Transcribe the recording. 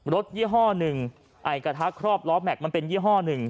ยี่ห้อหนึ่งไอ้กระทะครอบล้อแม็กซมันเป็นยี่ห้อหนึ่ง